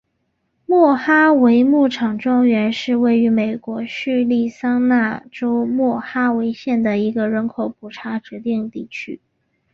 莫哈维牧场庄园是位于美国亚利桑那州莫哈维县的一个人口普查指定地区。